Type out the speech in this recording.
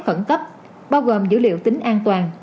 khẩn cấp bao gồm dữ liệu tính an toàn